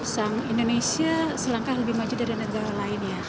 sang indonesia selangkah lebih maju dari negara lain ya